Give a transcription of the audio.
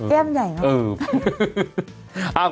เต้มใหญ่เนอะ